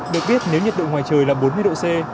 được biết nếu nhiệt độ ngoài trời là bốn mươi độ c